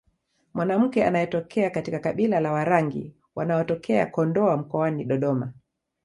Mwanamke anayetokea katika kabila la Warangi wanaotokea Kondoa mkoani Dodoma